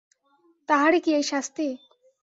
তাহারই কি এই শাস্তি?